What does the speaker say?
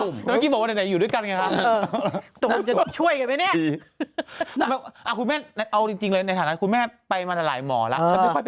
แต่เมื่อกี้บอกว่าไหนอยู่ด้วยกันไงคะ